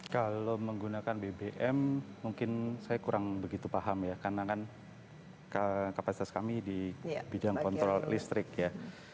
kalau menggunakan bbm mungkin saya kurang begitu paham ya karena kan kapasitas kami di bidang kontrol listrik ya